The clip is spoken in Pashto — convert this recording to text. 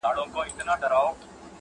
باید د اختر مناسبات